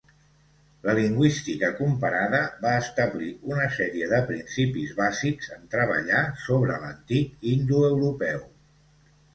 La lingüística comparada va establir una sèrie de principis bàsics en treballar sobre l'antic indoeuropeu.